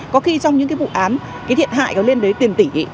có khi trong những vụ án thiện hại có liên lạc với tiền tỉ